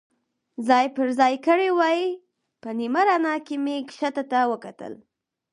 ځای پر ځای کړي وای، په نیمه رڼا کې مې کښته ته وکتل.